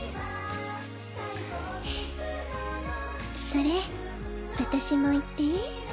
それ私も行っていい？